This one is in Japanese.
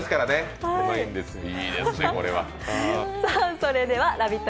それではラヴィット！